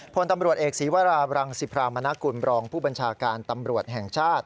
พลตำรวจเอกศีวราบรังสิพรามณกุลบรองผู้บัญชาการตำรวจแห่งชาติ